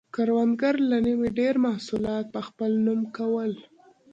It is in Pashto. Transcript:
کروندګرو له نییمه ډېر محصولات په خپل نوم کول.